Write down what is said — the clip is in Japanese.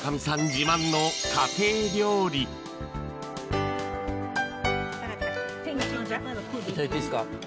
自慢の家庭料理いただいていいですか。